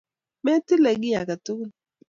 Metile kiy age tugul